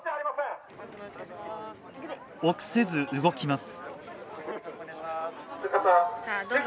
臆せず動きます。